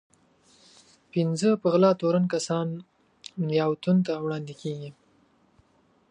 پنځه په غلا تورن کسان نياوتون ته وړاندې کېږي.